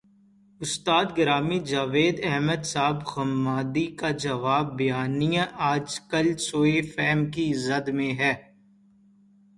استاد گرامی جاوید احمد صاحب غامدی کا جوابی بیانیہ، آج کل سوء فہم کی زد میں ہے۔